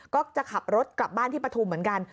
ก็จะขับรถกลับบ้านที่ปฐุมเหมือนกัน